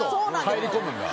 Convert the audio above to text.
入り込むんだ。